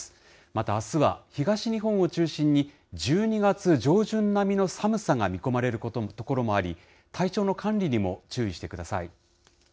またあすは、東日本を中心に、１２月上旬並みの寒さが見込まれるところもあり、体調の管理にも注意してください。